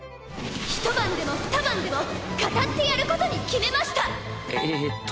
ひと晩でもふた晩でも語ってやることに決めました！